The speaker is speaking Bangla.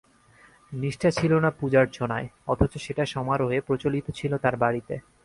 নিষ্ঠা ছিল না পূজার্চনায়, অথচ সেটা সমারোহে প্রচলিত ছিল তাঁর বাড়িতে।